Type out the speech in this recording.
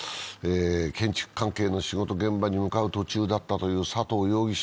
建築関係の仕事現場に向かう途中だったという佐藤容疑者。